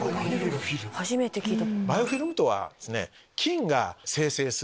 初めて聞いた。